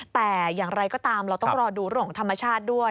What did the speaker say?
แต่อย่างไรก็ตามเราต้องรอดูฤทธิ์ธรรมชาติด้วย